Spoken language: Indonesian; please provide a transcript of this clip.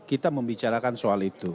kita membicarakan soal itu